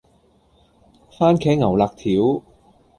蕃茄牛肋條